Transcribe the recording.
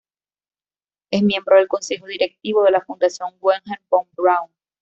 Es miembro del consejo directivo de la "Fundación Wernher von Braun".